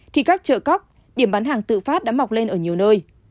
thì các chợ cóc điểm bán hàng tự phát đã mọc lên ở nhiều nơi